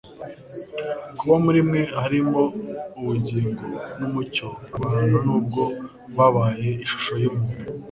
kuba muri mwe harimo uri ubugingo n'umucyo w'abantu nubwo yambaye ishusho y'umuntu.